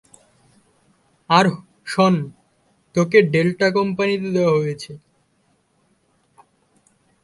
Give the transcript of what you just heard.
আর শোন, তোকে ডেল্টা কোম্পানিতে দেওয়া হয়েছে।